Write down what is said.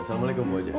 assalamualaikum bu aja